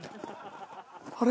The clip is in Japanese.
あれ？